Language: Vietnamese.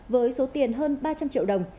với số tiền hơn ba trăm linh triệu đồng